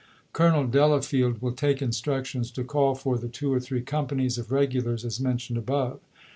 Colonel Dela field will take instructions to call for the two or three companies of regulars as mentioned above.